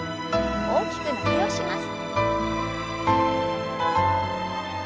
大きく伸びをします。